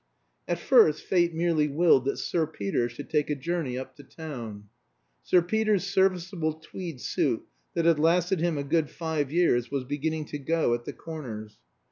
At first Fate merely willed that Sir Peter should take a journey up to town. Sir Peter's serviceable tweed suit, that had lasted him a good five years, was beginning to go at the corners.